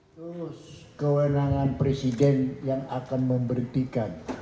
terus kewenangan presiden yang akan memberhentikan